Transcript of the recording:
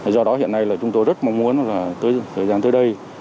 do đó hiện nay là chúng tôi rất mong muốn là thời gian tới đây